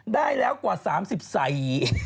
ได้แล้วกว่า๓๐ใส่